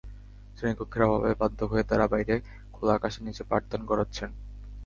শ্রেণীকক্ষের অভাবে বাধ্য হয়ে তাঁরা বাইরে খোলা আকাশের নিচে পাঠদান করাচ্ছেন।